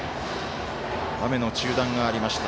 雨の中断がありました。